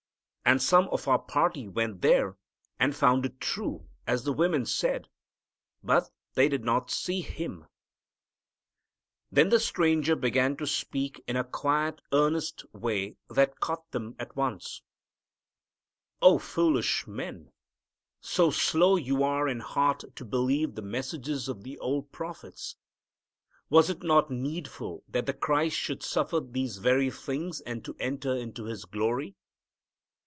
And some of our party went there and found it true as the women said. But they did not see Him." Then the Stranger began speaking in a quiet, earnest way that caught them at once. "O foolish men, so slow you are in heart to believe the messages of the old prophets! Was it not needful that the Christ should suffer these very things and to enter into His glory?"